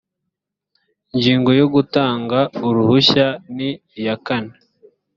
ingingo ya gutanga uruhushya ni iya kane